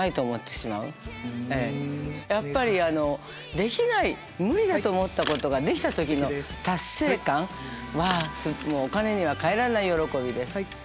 できない無理だと思ったことができた時の達成感はお金には代えられない喜びです。